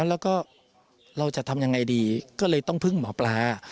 แล้วก็เราจะทำยังไงดีก็เลยต้องพึ่งหมอปลา